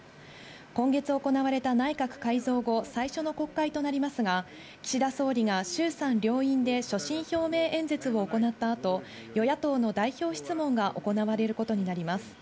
今月、行われた内閣改造後、最初の国会となりますが、岸田総理が衆参両院で所信表明演説を行った後、与野党の代表質問が行われることになります。